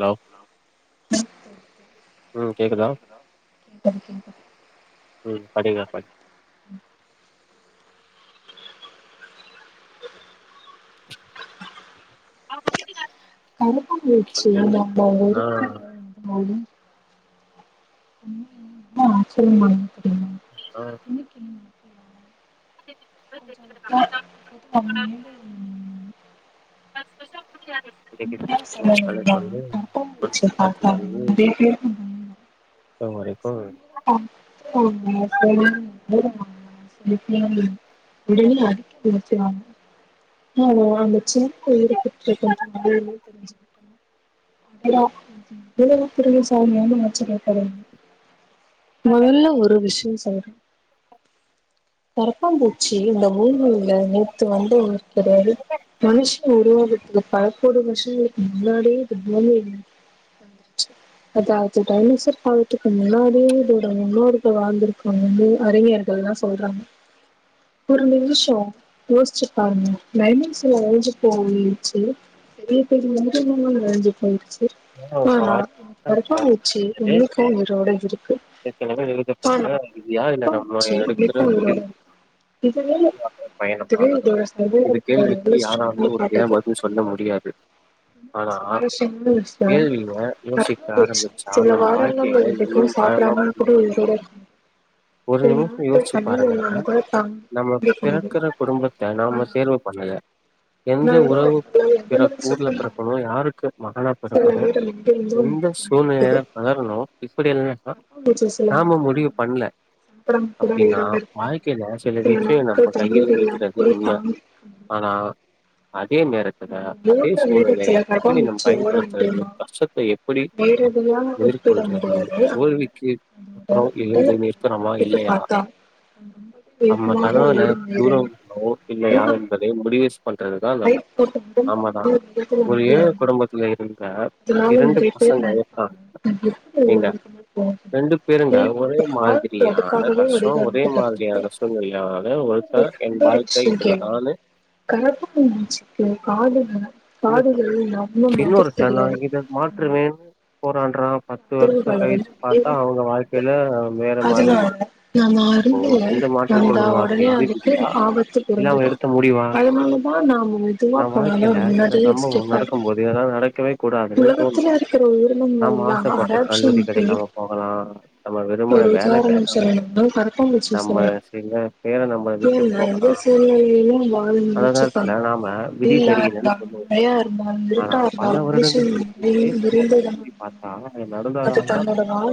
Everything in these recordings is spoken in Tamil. லோ ம் கேக்குதா கருப்பன் ம் படிங்க ப அவ்ங்க வீட்டுக்காரங்க கருப்பாம் பூச்சி நம்ம ஏன்னா ஒருத்த [unintelligible] [inaudible] ஆச்சரியமா ஆ [inaudible] கொஞ்சொண்டு தா [inaudible] ஃபஸ் ஃபஸ்ட்டா [unintelligible] இன்னக்கி உண்மையா [inaudible] வேலக்கி சொல்லணும்னா வந்து கருப்பன் மனுஷ பூச்சிய பார்த்தாலே காலத்துலருந்து நெறைய பேருக்கு ஆ [inaudible] [inaudible] உடனே அடிக்க போச்சு ஆமா ஆ அங்க வாழ்ந்த சின்ன உயிருக்கு ட்ரீட் பண்ற [unintelligible] தெரிஞ்சுக்கிட்ட [inaudible] திரும்பி சௌ வால்யம் வச்சு கேட்டாவே மொதல்ல ஒரு விஷ்யொ கரப்பாம் பூச்சி இந்த பூமி ல நேத்து வந்து ஒருத்தரு மனுஷ உருவாக்ற அது பழப்போடு வர்ஷங்களுக்கு முன்னாடியே இது பூமி [unintelligible] அதா இது டைனோசர் காலத்துக்கு முன்னாடியே இதோட முன்னோர்கள் வாழ்ந்துருக்காங்கன்னு அறிஞர்கள் லா சொல்றாங்க ஒரு நிமிஷொ யோசிச்சுப் பாருங்க டைனோசர் அழிஞ்சு போயிட்ச்சி பெரிய பெரிய உயிரினங்கள் அழிஞ்சி போயிர்ச்சி ஆனா கரப்பாம் பூச்சி இன்னைக்கு உயிரோட இருக்கு ஆ ஆ இது யா இல்ல நம்ம எடுத்துற முடியிதுனா செரி பயணமா இது கேள்விக்கி எவ்ளோ யாராலு ஸ்ட்ராங்னு ஒருத்தியா காட்டுது பதில் சொல்ல முடியாது அ ஸ்வாரஸ்யமான விஷ்யொ யோசிக்க [unintelligible] ஆரம்பிச்சா சில நம் வாரங்கள் வாழ்க்கைய வரிக்கு இன்னு ஆழமா சாப்டாம கூட புரிஞ்சுக்க முடியு உயிரோட [inaudible] ஒரு சில நிமிஷ நாட்கள் யோசிச்சு தண்ணி பாருங்க இல்லாம கூட தாங்கி நம்ம பிறக்குற குடும்பத்த நாம சேர்வு பண்ணல எந்த அதனாலதா உறவு நம்மளால பிறக் எவ்வளவு சுத்தம் ஊர்ல பண்ணாலும் பிறக்கணு யா ருக்கு மகனா சில பிறக்கணு நேரம் எங்கெங்கும் எந்த இருக்குது சூழ்நிலையில பதரணு இப்டி எல்லாந்தா கரப்பான்பூச்சி சில நாம நேரம் முடிவு பண்ல சாப்பிடாம கூட அப்டின்னா உயிரோட இருப்பாங்க வாழ்க்கைல சில ச்சயொ நம்ம நாட்கள் கையில தண்ணீர் இல்லாம இருக்குறது கூட உண்ம தாங் ஆனா அதே நேரத்துல நம்ம அதே ஓடுற வேகத்துல சூழ்நிலைய எப்டி நம்ம கவனிச்சு ஓட பயன்படுத்துறது முடியுமா கஷ்டத்த எப்டி நேரடியா ஒப்பிட எதிர்கொள்றது முடியாது ஆனா தோல்விக்கு அப்றொ உடல் எழுந்து நிறுத்தரொமா இல்லையா [inaudible] பேசுனா பரவால்ல தூரொ [unintelligible] இல்லையா என்பதை அழுகமாட்டான் முடிவுஸ் பண்றது அதா நம் லைட் போட்ட உடனே ஆமாதா இன்னொரு விதத்துல ஒரு வந்து ஏழ இறங்கணும் குடும்பத்துல இருக்க இதனால இரண்டு நிறைய பேர் பசங்க நினைப்பாங்க ஒர்த்த "நான் எப்படி ஏங்க இவ்வளவு வேகமா போகுது ரெண்டு பேருங்க ஒரே ஏன்னா அதோட கால்கள் மாதிரியான அதுக்காகவே கஷ்டொ ஒரே வடிவமைக்கப்பட்டிருக்கு மாதிரியான சூழ்நிலையால ஒருத்த இன்னொரு என் இன்னொரு வாழ்க்கை இப்படி தான்னு [unintelligible] காடுகள நின்னுட்டான். காடுகளில் நம்ம [unintelligible] இன்னொருத்தன் நான் தெரியாது இத மாற்றுவேன்னு ஆனா போராடுறான். வருஷம் தொல்லுங்க கழிச்சு தோழரே பார்த்தா, அவங்க வாழ்க்கையில வேற [inaudible] மாதிரி அதுனால இருக்கு. நம அப்போ அருகில் இந்த ந மாற்றத்த அதே உருவாக்கியது அதுக்கு விதியா? ஆபத்து இல்ல அவன் புரிஞ்சிடு எடுத்த முடிவா? அதுனால நாம மெதுவா நான் போனாலு வாழ்க்கையில அது சில முன்னாடியே சம்பவம் [unintelligible] நடக்கும்போது இதெல்லாம் நடக்கவே கூடாதுன்னு தோணும். உலகத்துல இருக்குற நம்ம உயிரினங்கள்லா ஆசைப்பட்ட கல்லூரி அடாப்ஷனுக்கு கிடைக்காம போகலாம். நம்ம விரும்புன ஒரு வேலை உதாரணம் கிடைக்காம போகலாம். சொல்லணும்னா கரப்பாம் பூச்சி நம்ம சார் சில பேர நம்மள விட்டு [inaudible] எந்த போகலாம். சூழ்நிலைலியு அந்த வாழ்ந்து அ நேரத்துல நாம விதி வெயிலா சரியில்லன்னு இருந்தாலு சொல்லுவோம். மழையா இருந்தாலு ஆனா இருட்டா பல இருந்தாலு வருடங்கள் கழிச்சு அதே [inaudible] சம்பவத்த விரைந்த திரும்பி பாத்தா நடந்தாதா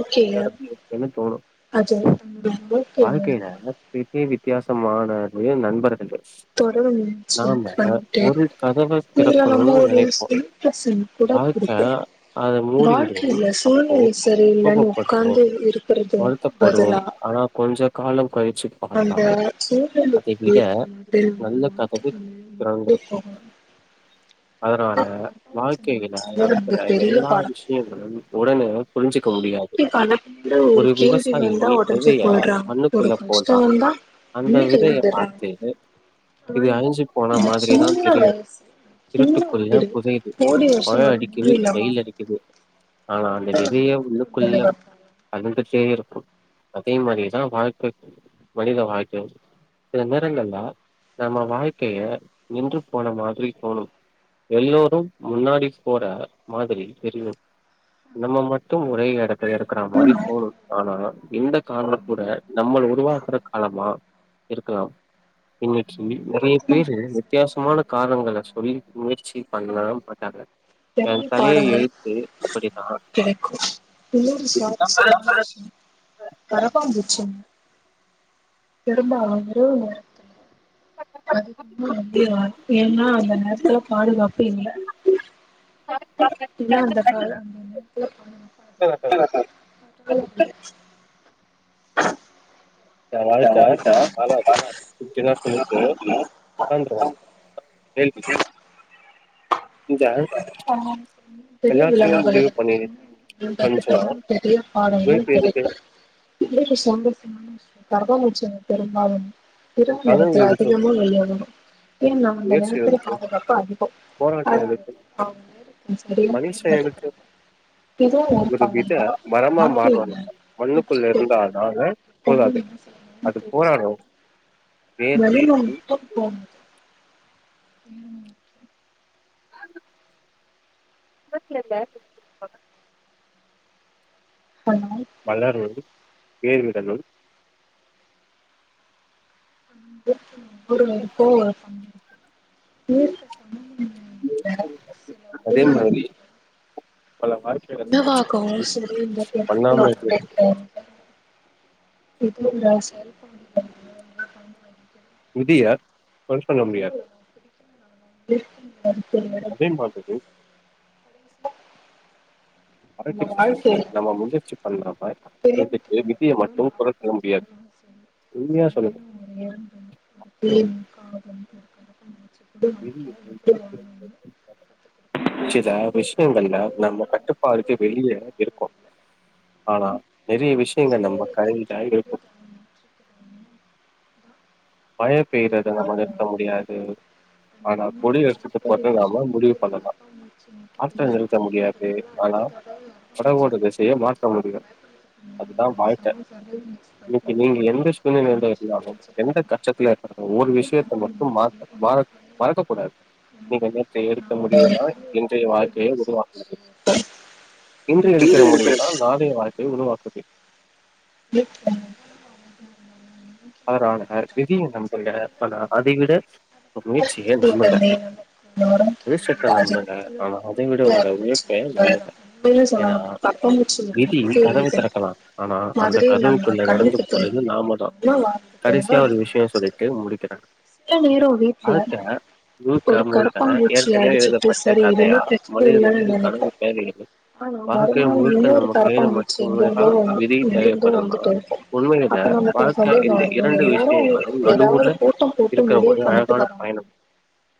[inaudible] இருக்குேன்னு தோணு [unintelligible] விட்டில் வித்தியாசமானது நண்பர்கள் தொடர் முயற்சி நாம பண்ணிக்கிட்டே ஒரு இருக்கோம் கதவை இதுல திறக்கணு நம்ம ஒரு நினைப்போ இன்ட்ரெஸ்ட் கூட இருக்கு [unintelligible] அதை மூடிவிடுவோம் வாழ்க்கையில அப்போ சூழ்நிலை சரியில்லைன்னு கோபப்படுத்ரோம் உட்கார்ந்து இருக்கிறது வருத்தப்படுவோம் பதிலா ஆனா கொஞ்ச காலம் கழிச்சு அந்த பார்த்தால் அதை சூழ்நிலைக்கு விட ஏற்ற மாதிரி நல்ல நம்மளை கதவு மாத்திக்கணும் முன்னாடி திறந்திருக்கும் போகணும் [inaudible] அதனால அதான் பரவாயில்ல நமக்கு வாழ்க்கையில சொன்னது நடக்கற அந்த பெரிய எல்லா பாடம் விஷயங்களும் உடனே இருக்க முடியாது இன்னைக்கு பல பேரு ஒரு கேள்வி விவசாயி வந்தா உடஞ்சு வெதைய போயிடுறாங்க ஒரு மண்ணுக்குள்ள போட்றா கஷ்டம் வந்தா அந்த நம்பிக்கை விதைய எழுதிடுறாங்க பாத்து ஆனா இது இந்த அழிஞ்சு போன இந்த மாதிரிதா சின்ன தெரியு வயசு சின்ன இருட்டுக்குள்ள உயிர் புதையது கோடி மழ வருஷம் வர அடிக்கது பூமியில வெயில் வாழ்ந்து அடிக்குது ஆனா அந்த வெதயே உள்ளுக்குள்ள [unintelligible] சரி இருக்கும் அதே மாதிரிதா வாழ்க்கை மனித வாழ்க்கை சில நேரங்கள்லா நம்ம வாழ்க்கைய நின்று போன மாதிரி தோணும் எல்லோரும் முன்னாடி போற மாதிரி தெரியும் நம்ம மட்டும் ஒரே எடத்துல இருக்கிற மாரி தோணு ஆனா இந்தக் காலம் கூட நம்மள உருவாக்குற காலமா இருக்கலா இன்னைக்கு நிறைய பேரு வித்தியாசமான காரணங்கள சொல்லி முயற்சி பண்ண மாட்டாங்க என் பெரிய தலை பாடங்கள் எழுத்து இப்படிதான் கரப்பா பூச்சிங்க [unintelligible] [unintelligible] ஏன்னா அந்த நேரத்துல பாதுகாப்பு இல்ல அந்த [unintelligible] [unintelligible] எ வாழ்க்க சின்ன வயசுல [unintelligible] [unintelligible] இந்த ஆ தெரியதுல [unintelligible] எல்லாத்தையும் முடிவு பண்ணி பண்ணுச்சுன்னா [unintelligible] பெரிய பாடங்கள் உழைப்பு எதுக்கு? கிடைக்கும் [unintelligible] சந்தோசமான விஷய கரப்பா பூச்சிகள் பெரும்பாலும் இரவு கனவு நேரத்துல எதுக்கு? அதிகமா வெளயாடுணு ஏன் முயற்சி [unintelligible] எதுக்கு? பாதுகாப்பு அதிக போராட்டம் [unintelligible] எதுக்கு? அவங்க [unintelligible] மனுஷன் எதுக்கு? தேர்ந்தெடுக்றாங்க இதுவு ஒரு வித மரமா மாறணும்னா மண்ணுக்குள்ள இருந்தாதாங்க போதாது [unintelligible] தா அது [unintelligible] போராடு [unintelligible] வேர் விடும் [unintelligible] ம் [unintelligible] [unintelligible] அதனால வளரனும் பேரிடனும் [unintelligible] சில அதே மாரி என்ன வாகு [unintelligible] பண்ணாம இருக்கிறது [unintelligible] [inaudible] விதிய கொற சொல்ல முடியாது அதே மாதிரி வாழ்க்கையில நம்ம முயற்சி பண்ணாம இதுக்கு பெரியவங்ககிட்ட விதிய மட்டுந்தா மட்டு பாடம் கொறசொல்ல முடியாது கத்துக்கணுனு அவசியம் இல்ல சில நேரோ ஒரு எறும்பு ஒரு தேனீ [unintelligible] காகம் விதி முயற்சி [unintelligible] சில ஏ நா விஷயங்கள்ல வாழ்ந்ததெல்லா நம்ம கட்டுப்பாடுக்கு மட்டு வெளியே வாழ இருக்கோ போனதில்ல ஆனா நிறைய விஷயங்க நம்ம சூழ்நிலைக்கேற்ற கதையில மாதிரி இருக்கோ தன்னை மாற்றிக்கிறவங்க தான் மழை நீண்ட பெய்றத நம்ம காலம் நிறுத்த வாழ்வாங்க முடியாது அந்த ஆனா நோயை கொடி பல வெருத்துட்டு கோடி போட்டு நாம வருஷங்களாக முடிவு இந்த பண்ணலா கரப்பான்பூச்சி நமக்கு ஆட்ட நிறுத்த தெரியாது முடியாதே அதனால ஆனா அடுத்த தடவை அலோ கரப்பான்பூச்சியை படகோட திசைய பார்த்தா மாத்த முடியும் பயப்படுறதுக்கு முன்னாடி அதுதான் ஒரு வாழ்க்க செம சர்வைவ் மிக்ஸ் பண்ணி ஓகே நீங்க எந்த சூழ்நிலேல ஒரு மனுஷன் இருந்தாலு நினச்சி எந்த பாருங்க கஸ்டத்துல ஒரு அதே விஷயத்த மட்டு கரப்பான்பூச்சி மாத்த ஒன்று மறக் போல மறக்க கூடாது ரொம்ப நீங்க நேற்று எடுத்த நாம் முடிவுதா எல்லாரும் ஒரு இன்றைய தடவை வாழ்க்கைய யோசிச்சு உருவாக்குது இன்று எடுக்கிற முடிவு தா நாளைய வாழ்கைய உருவாக்குது [unintelligible] அவர் ஆனார் விதிய நம்பல ஆனா அதைவிட ஒரு முயற்சிய நம்பல உடனே நமக்கு வரும் கேள்வி விஷித்த அது நம்புங்க எத்தன ஆனா வீடு அதை விட எங்க உங்க இருந்துச்சு உழைப்ப நம்புங்க என்பதுதான் உண்மையில ஏன்னா சொல்லணும்னா கப்பம்பூச்சி ஒரு விதி முக்கிய கதவை இதழ் திறக்கலா ஆனா அந்த மாதிரி நம்ம கதவுக்குள்ள நடந்து கண்ணுக்கு போறது நாமதா தெரியாம வாழ்ந்துட்டோம்னா கடைசியா அது ஒரு விஷ்யோ சொல்லிட்டு முடிக்கிறே சில நேரோ வீட்டுல முழுக்க முழுக்க ஏற்கனவே எழுதப்பட்ட சரி எதுவுமே கதையா பிரச்சனை இல்லன்னு மனிதனுக்கு நெனைப்போம் கடவுள் தேவைகள் ஆனா வாழ்க்கை மறுநாள் முழுக்க இன்னொரு நம்ம கையில கரப்பாம்பூச்சி மட்டுமேதா எங்கெங்கோ வந்து விதி நிதி எங்கெங்கோ தேவைப்படுதல்தா வந்துட்டு இருக்கும் உண்மையில அப்ப நமக்கு வாழ் சந்தேகம் இந்த வரும் இரண்டு எல்லாரும் விஷயங்களும் ஏதாவது நடுவுல கூட்டம் போட்டு இருக்கிற முடிவு போதே பண்ணிட்டு அழகான வராங்க பயணம்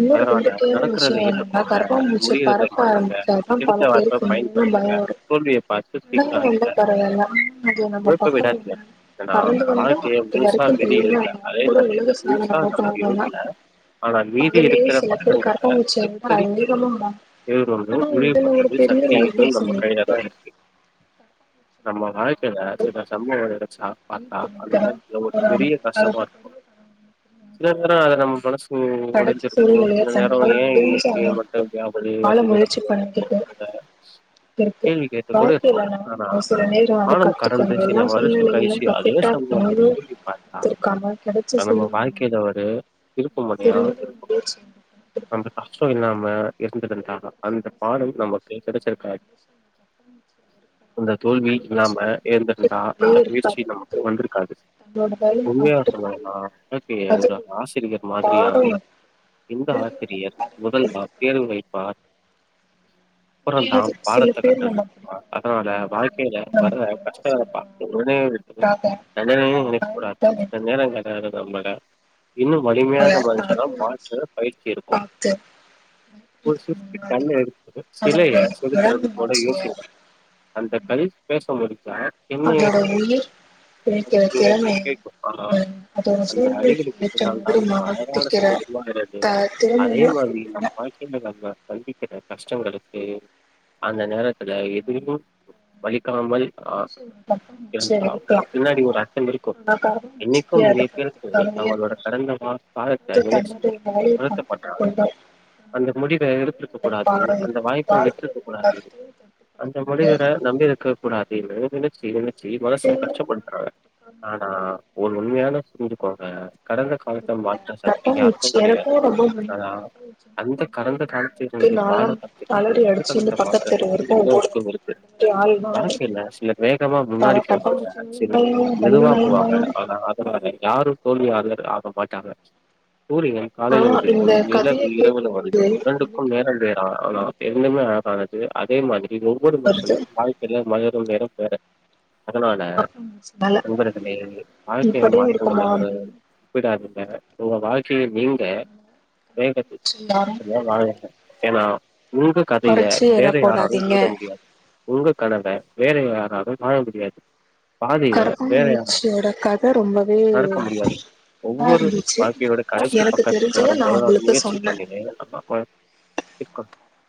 இன்னொரு அதனால வேடிக்கையான நடக்கறத விஷயம் என்னன்னா ஏத்துக்கோங்க கரப்பான்பூச்சி முடியறத பறக்க மாத்துங்க ஆரம்பிச்சாதா பல கிடைத்த வாய்ப்பை பேருக்கு உண்மையிலே பயன்படுத் திருந்துங்க பயம் வரும். தோல்விய பாத்து அடர்ந்து வந்தா திருந்தாதிங்க பரவால்ல. ஆனா அது நம்ம ஹோப்ப பக்கம் விடாதீங்க ஏன்னா பறந்து வந்தா வாழ்க்கைய அது முழுசா வரைக்கும் விதி தெரியுமா எழுதல அதே கூட நேரத்துல உலக சாதன முழுசா நம்ம ஓட்டுனர்கள் தான். எழுதல ஆனா மீதி அதுலயே இருக்குற சில பேர் பக்கங்கள கரப்பான்பூச்சிய விட எப்டி அதிகமா பயம் எழுதுனது ஆனா முடிவு இதுல ஒரு பண்றது பெரிய சக்தி லைஃப் என்னு நம்ம லெசன் கையிலதா இருக்கு நம்ம வாழ்க்கையில சில சம்பவோ நெனச்சா உயிர் பாத்தா அந்த ஒரு பிழைக்க நேர்த்ல போராடுது. பெரிய கஷ்டமா அதுக்கு பெரிய இருக்கு சில நேரோ அத நம்ம மனசு ம் கடைசி உடைஞ்சிருப்போ சூழ்நிலைய சில நேரோ தன்னால ஏ முடிஞ்ச இன்னைக்கு மட்டு அளவுக்கு இப்டியாவலயே வாழ அப்டினு நம்ப முயற்சி யேசிப்போ பண்ணிக்கிட்டு தே இருக்கு கேள்வி கேட்டு கூட இருப்போ வாழ்க்கையில ஆனா நாம சில நேரம் அத காலம் கடந்து கத்துக்கணும் சில எல்லா வருஷம் சூழ்நிலைகளிலும் கழிச்சு அதே பர்ஃபெக்ட்டா சம அந்த வாழ்க்கைய இருக்கணுன்னு திரும்பி பாத்தா இருக்காம கிடைச்ச நம்ம சூழ்நிலையில வாழ்க்கைல ஒரு திருப்புமுன இருக்கு நம்ம சிறந்த முயற்சி எடுக்கணும் அந்த குடுக்கணும் கஷ்டோ இல்லாம இருந்துருந்த அந்த பாடல் சுவாரஸ்யமான நமக்கு கிடைச்சிருக்காது விஷயம் என்னன்னா இந்த தோல்வி இல்லாம மனுஷங்க தன்னம்பிக்கையா ஏந்திருந்தா அந்த இருக்கணும் ஆனா முயற்சி தப்ப யோசிச்சு அத பத்தி நமக்கு வந்திருக்காது கவலையே இருக்காது அது தன்னோட வேலைய உண்மையா பாத்துட்டு சொல்லனுன்னா போயிடும் வாழ்க்கைய ஒரு ஆசிரியர் மாதிரியா பாடம் இந்த ஆசிரியர் எல்லாரையும் முதல்வார் தேர்தல் வைப்பார் அப்புறந்த சில பாடத்த பேர் கற்றல் நம்ம பிடிக்காம அதனால இருக்கலா சில வாழ்க்கையில பேர் நம்ம வர்ற கொறச்சு கஷ்டங்கள சொல்லலா பாத் ஆனா நம்ம [unintelligible] அதுக்காக தண்டனைய நம்ம நெனைக்ககூடாது பயணத்த சில நிறுத்தக்கூடாது நேரங்கள்ள அது நம்மள இன்னு வலிமையான அதனால மனுஷனா தகவல்ச்சி மாற்ற பயிற்சி எடுப்போ பாத்து ஒரு றதுக்கு சிற்பி முன்னாடி கல்ல எடுத்து சிலைய அதோட செதுக்கறது போல விடாமுயற்சிய யோசிக் அந்த கல் பேசம்போது அதோட உயிர் கேக்கிற படிக்கிறீங்கன்னு?" திறமே கேக்கும். ஆனா, அ அதோட அந்த சூழ்நிலைக்கு அடிகளுக்கு ஏற்ற மாதிரி மாத்திகிற றது அதே மாதிரி நம் வாழ்க்கைல நம் சந்திக்கிற கஷ்டங்களுக்கு அந்த நேரத்துல எதுயும் வலி க்காமல் அ மனுஷன் கரப்பாம்பூச்சியா இருந்தால் இருக்கலாம் பின்னாடி ஒரு அர்த்தம் இருக்கு ஆனா இன்னைக்கு கரப்பாம்பூச்சிக்கு அத நிறைய பத்தி பேருக்கு கவலையே இருக்காது தங்களோட கடந்த மா காலத்த நி [unintelligible] அந்த முடிவ எடுத்துருக்க கூடாது வைப்பாக அந்த இருக்கும். வாய்ப்ப வாழ்க்கையில வச்சிருக்கக் கூடாது எல்லாத்தையும் கட்டுப்படுத்த அந்த முனிவர முடியாது. நம்பி இருக்க கூடாது நெனச்சி நெனச்சி மனச கஷ்டப்படுத்தறாங்க ஆனா ஒரு உண்மையான [inaudible] ஞ்சுக்கோங்க கடந்த காலத்த அதனால மாற்ற சக்தி யாருக்கு கட்டந்துச்சு கெடையாது எனக்கும் ரொம்ப புடிக்கும் ஆனா கட்டந்துச்சுன்னா அந்த கடந்த காலத்த அப்டியே இருந்து பாடோ நாலாம் கத்துகிட்டு அலறி அடிச்சு இந்த எதிர்கலத்த மாத்தற பக்கத்து தெரு சக்தி வரைக்கும் எல்லோருக்கு ஓடுவேன் இருக்கு அந்த மாரி ஆள் நானு வாழ்க்கைல சிலர் வேகமா பர முன்னாடி போ கட்டாம்பூச்சினாலும் சிலர் பயம் மெதுவா பல்லுனாலும் போவாங்கா பயம் அதனால யாரு தோல்வியா யாரு ஆப்பம்பா [unintelligible] சூரியன் காலைல ஆனா இந்த உதிக்கும் கதைய நிலவு இரவுல கேக்கும் வருது போது இரண்டுக்கு எனக்கே நேரம் வந்து வேறா இன்னமே அழகானது அதே மாதிரி ஒவ்வொரு வருது மனுஷனுக்கு வாழ்க்கையில [unintelligible] நேரம் வேற அதனால கட்டாம்பூச்சினால நண்பர்களே வாழ்க்கையை இப்படியும் இருக்குமா மாற்றங்களோடு அப்டின்னு ஒப்பிடாத உங்க வாழ்க்கையை நீங்க யாரும் [unintelligible] வாழுங்க ஏன்னா உங்க கதைய கொறச்சு வேற எடை யாராலு போடாதீங்க எழுத முடியாது உங்க கனவ வேற யார் அதும் வாழ முடியாது பார்வைய பேண [unintelligible] கரப்பாம்பூச்சியோட கத ரொம்பவே நடத்த நல்லா முடியாது ஒவ்வொரு இருந்துச்சு வாழ்க்கையோட கடைசி எனக்கு பக்கத்துக்கு தெரிஞ்சத நா வரும்போது அது உங்களுக்கு முயற்சி சொன்னே பண்ணினே இருக்கனு கொ [unintelligible]